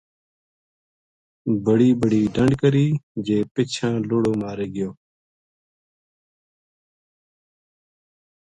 بڑی بڑی ڈَنڈ کر ی جے پِچھاں لُڑو مارے گیو